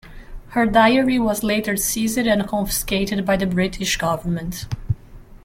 Her diary was later seized and confiscated by the British government.